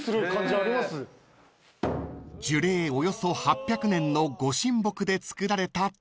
［樹齢およそ８００年のご神木で作られた太鼓］